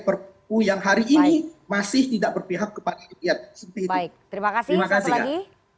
perbu yang hari ini masih tidak berpihak kepada rakyat baik terima kasih makasih lagi